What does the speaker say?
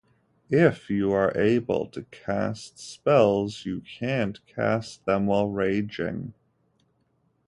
If you are able to cast spells, you can’t cast them while raging.